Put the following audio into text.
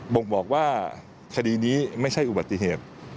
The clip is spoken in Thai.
่งบอกว่าคดีนี้ไม่ใช่อุบัติเหตุ